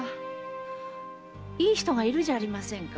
いい人がいるじゃありませんか。